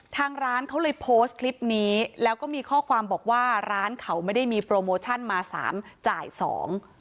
ทางร้านเขาเลยโพสต์คลิปนี้แล้วก็มีข้อความบอกว่าร้านเขาไม่ได้มีโปรโมชั่นมาสามจ่ายสอง